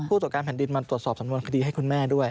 ตรวจการแผ่นดินมาตรวจสอบสำนวนคดีให้คุณแม่ด้วย